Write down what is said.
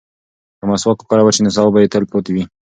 که مسواک وکارول شي نو ثواب به یې تل پاتې وي.